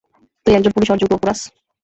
তুই একজন পুলিশ হওয়ার যোগ্য, পোরাস।